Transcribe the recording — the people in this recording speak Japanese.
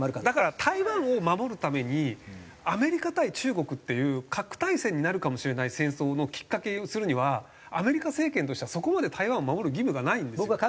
だから台湾を守るためにアメリカ対中国っていう核大戦になるかもしれない戦争のきっかけにするにはアメリカ政権としてはそこまで台湾を守る義務がないんですよ。